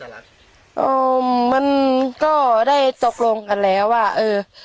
อ่าแล้วทำไมถึงยังอ๋อมันก็ได้ตกลงกันแล้วอ่ะเออ